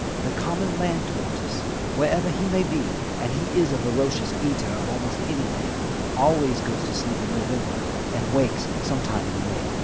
The common land tortoise—wherever he may be and he is a voracious eater of almost anything—always goes to sleep in November, and wakes some time in May.